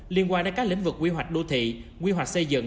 liên quan đến các lĩnh vực quy hoạch đô thị quy hoạch xây dựng